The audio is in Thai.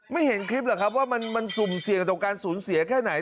เห็นคลิปหรอกครับว่ามันสุ่มเสี่ยงต่อการสูญเสียแค่ไหน